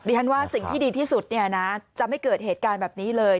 ฉันว่าสิ่งที่ดีที่สุดเนี่ยนะจะไม่เกิดเหตุการณ์แบบนี้เลย